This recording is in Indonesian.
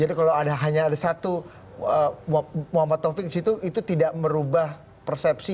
jadi kalau hanya ada satu muhammad taufik disitu itu tidak merubah persepsi